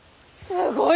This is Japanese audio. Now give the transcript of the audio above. すごい！